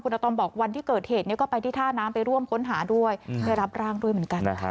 อาตอมบอกวันที่เกิดเหตุก็ไปที่ท่าน้ำไปร่วมค้นหาด้วยไปรับร่างด้วยเหมือนกันนะคะ